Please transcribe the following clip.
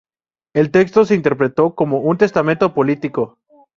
El texto se interpretó como un "testamento político".